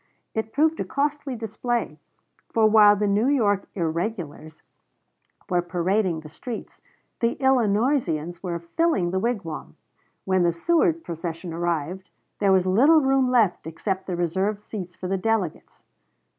It proved a costly display; for while the New York "irregulars" were parading the streets, the Illinoisans were filling the wigwam: when the Seward procession arrived, there was little room left except the reserved seats for the delegates.